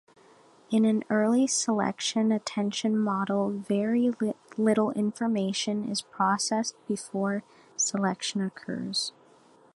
In an early selection attention model very little information is processed before selection occurs.